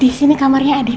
di sini kamarnya adi pak